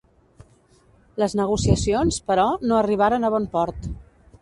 Les negociacions, però, no arribaren a bon port.